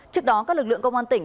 trước đó các lực lượng công an tỉnh